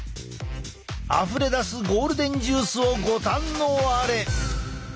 あふれ出すゴールデンジュースをご堪能あれ！